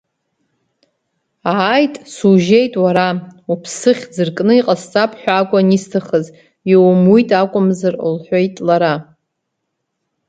Ааит, сужьеит уара, уԥсы хьӡыркны иҟасҵап ҳәа акәын исҭахыз, иумуит акәымзар, — лҳәеит лара.